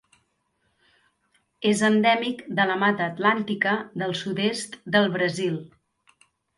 És endèmic de la Mata Atlàntica del sud-est del Brasil.